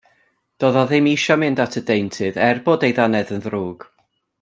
Doedd o ddim isio mynd at y deintydd er bod 'i ddannedd yn ddrwg.